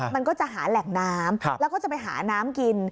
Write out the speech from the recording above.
มันก็จะหาแหล่งน้ำแล้วก็จะไปหาน้ำกิน